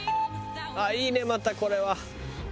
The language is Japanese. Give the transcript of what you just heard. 「あっいいねまたこれは撮り方が」